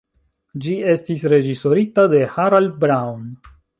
Ĝi estis reĝisorita de Harald Braun.